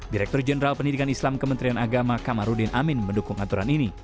direktur jenderal pendidikan islam kementerian agama kamarudin amin mendukung aturan ini